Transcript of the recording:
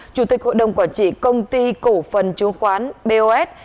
chủ tịch hội đồng quản trị công ty cổ phần chứng khoán bos